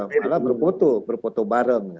malah berfoto berfoto bareng